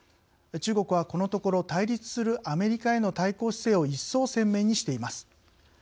中国は、このところ対立するアメリカへの対抗姿勢を一層、鮮明にしています。